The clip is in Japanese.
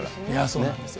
そうなんですよ。